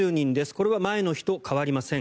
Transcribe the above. これは前の日と変わりません。